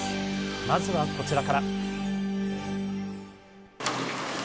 まずは、こちらから。